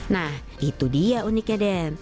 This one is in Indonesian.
nah itu dia uniknya den